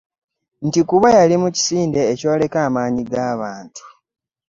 Nti kuba y'ali mu kisinde ekyoleka amaanyi g'abantu.